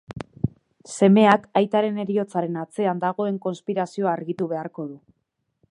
Semeak aitaren heriotzaren atzean dagoen konspirazioa argitu beharko du.